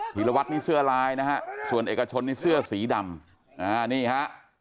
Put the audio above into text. ธีรวัตรนี่เสื้อลายนะฮะส่วนเอกชนนี่เสื้อสีดำนี่ฮะ